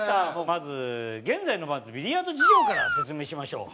まず現在のビリヤード事情から説明しましょう。